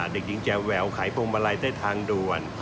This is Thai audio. เด็กจริงจะแววไขโพงมาลัยใต้ทางด่วน